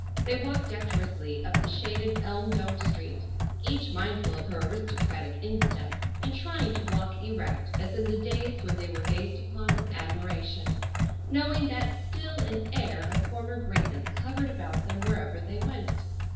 They walked decorously up the shaded, elm domed street, each mindful of her aristocratic instep, and trying to walk erect as in the days when they were gazed upon with admiration, knowing that still an air of former greatness hovered about them wherever they went.